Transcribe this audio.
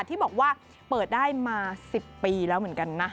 ที่บอกว่าเปิดได้มา๑๐ปีแล้วเหมือนกันนะ